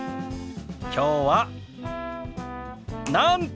きょうはなんと！